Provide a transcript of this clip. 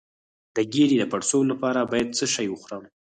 د ګیډې د پړسوب لپاره باید څه شی وخورم؟